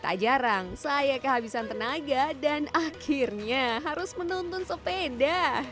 tak jarang saya kehabisan tenaga dan akhirnya harus menonton sepeda